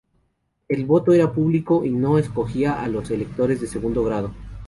El voto era público y sólo escogía a los electores de segundo grado.